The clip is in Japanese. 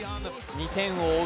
２点を追う